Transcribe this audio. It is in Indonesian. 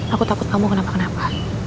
aku takut kamu kenapa kenapa